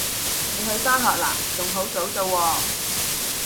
你去返學喇？仲好早咋喎